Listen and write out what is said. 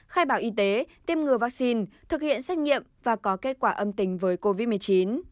khai báo y tế tiêm ngừa vắc xin thực hiện xét nghiệm và có kết quả âm tình với covid một mươi chín